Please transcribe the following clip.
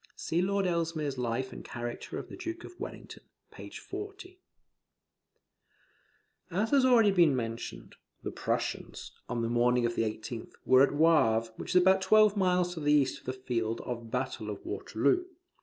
[See Lord Ellesmere's Life and Character of the Duke of Wellington, p. 40.] As has been already mentioned, the Prussians, on the morning of the 18th, were at Wavre, which is about twelve miles to the east of the field of battle of Waterloo.